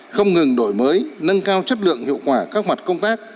không ngừng đổi mới nâng cao chất lượng hiệu quả các mặt công tác